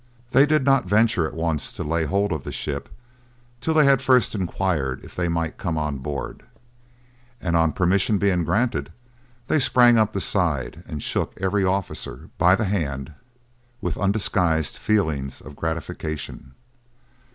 They did not venture at once to lay hold of the ship till they had first inquired if they might come on board; and on permission being granted, they sprang up the side and shook every officer by the hand with undisguised feelings of gratification.